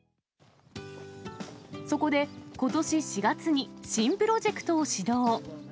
そこで、ことし４月に新プロジェクトを始動。